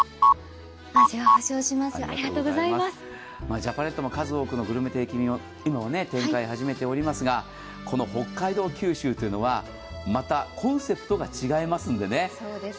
ジャパネットも数多くのグルメ定期便を始めていますが北海道・九州というのはまたコンセプトが違いますのでね。